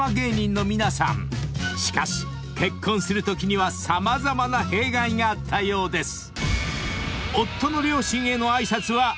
［しかし結婚するときには様々な弊害があったようです］